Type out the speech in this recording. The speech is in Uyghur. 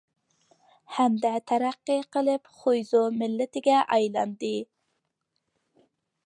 ھەمدە تەرەققىي قىلىپ خۇيزۇ مىللىتىگە ئايلاندى.